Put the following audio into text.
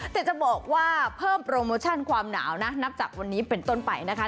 แต่จะบอกว่าเพิ่มโปรโมชั่นความหนาวนะนับจากวันนี้เป็นต้นไปนะคะ